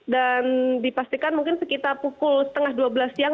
dan dipastikan mungkin sekitar pukul setengah dua belas siang